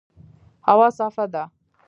هوا صافه ده